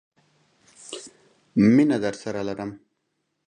مينه درسره لرم.